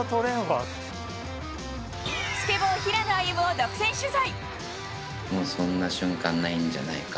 スケボー平野歩夢を独占取材。